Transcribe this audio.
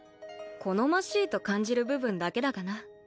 好ましいと感じる部分だけだがな